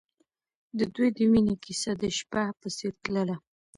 د دوی د مینې کیسه د شپه په څېر تلله.